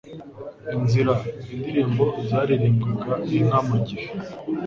Inzira: Indirimbo zaririmbirwaga inka mu gihe